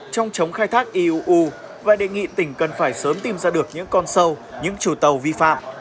trong chống khai thác iuu và đề nghị tỉnh cần phải sớm tìm ra được những con sâu những trù tàu vi phạm